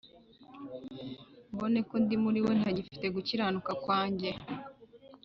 mboneke ko ndi muri We, ntafite gukiranuka kwanjye,